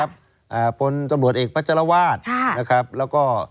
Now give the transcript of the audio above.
บนตรวจเอกพระจรวาสแล้วก็